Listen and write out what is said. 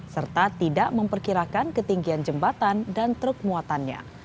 serta tidak memperkirakan ketinggian jembatan dan truk muatannya